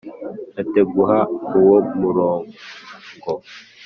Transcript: nkatenguha uwo muronbgo